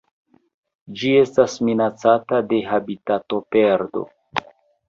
Ĝi estas minacata de habitatoperdo.